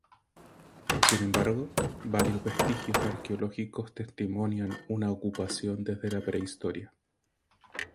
Sin embargo, varios vestigios arqueológicos testimonian una ocupación desde la prehistoria.